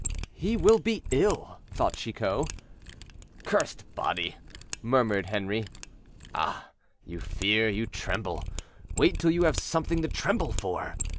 "He will be ill," thought Chicot. "Cursed body," murmured Henri, "ah! you fear, you tremble; wait till you have something to tremble for."